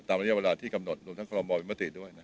ตามนี้เวลาที่กำหนดรวมทางความมอบิมรติด้วยนะ